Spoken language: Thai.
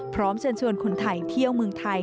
เชิญชวนคนไทยเที่ยวเมืองไทย